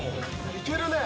いけるね。